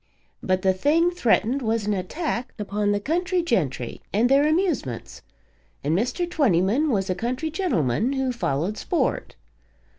But the thing threatened was an attack upon the country gentry and their amusements, and Mr. Twentyman was a country gentleman who followed sport.